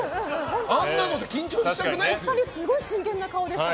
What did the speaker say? あんなので緊張したくないですよ。